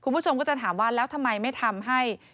คุณผู้ชมก็จะถามว่าแล้วทำไมไม่ทำให้